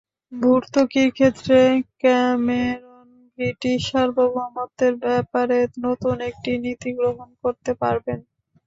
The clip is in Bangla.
ভর্তুকির ক্ষেত্রে ক্যামেরন ব্রিটিশ সার্বভৌমত্বের ব্যাপারে নতুন একটি নীতি গ্রহণ করতে পারবেন।